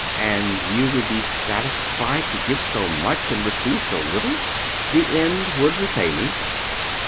"And you would be satisfied to give so much and receive so little?" "The end would repay me."